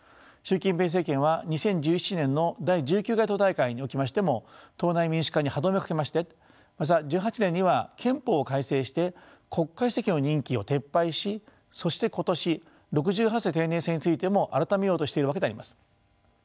習近平政権は２０１７年の第１９回党大会におきましても党内民主化に歯止めをかけましてまた１８年には憲法を改正して国家主席の任期を撤廃しそして今年６８歳定年制についても改めようとしているわけであります。